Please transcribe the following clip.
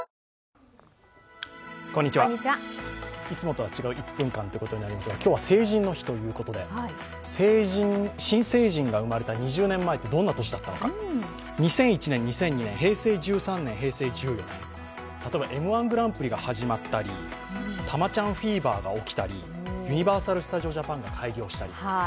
いつもとは違う１分間ということになりますが、今日は成人の日ということで新成人が生まれた２０年前ってどんな年だったのか、２００１年、２００２年、例えばＭ−１グランプリが始まったりたまちゃんフィーバーが起きたり、ユニバーサル・スタジオ・ジャパンが開業したり。